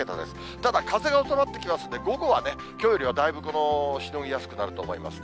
ただ、風が収まってきますんで、午後はね、きょうよりはだいぶしのぎやすくなると思いますね。